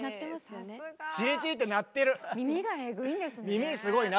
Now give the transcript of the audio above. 耳すごいね。